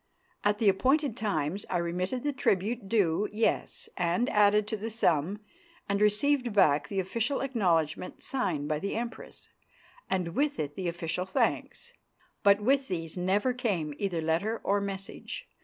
At the appointed times I remitted the tribute due, yes, and added to the sum, and received back the official acknowledgment signed by the Empress, and with it the official thanks. But with these never came either letter or message.